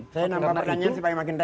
saya nampak pertanyaan si pak emangin tadi